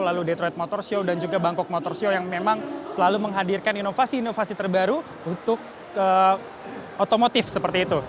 lalu detroit motor show dan juga bangkok motor show yang memang selalu menghadirkan inovasi inovasi terbaru untuk otomotif seperti itu